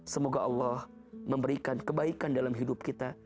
semoga allah memberikan kebaikan dalam hidup kita